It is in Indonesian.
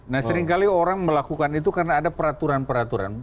nah seringkali orang melakukan itu karena ada peraturan peraturan